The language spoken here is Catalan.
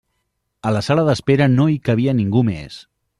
A la sala d'espera no hi cabia ningú més.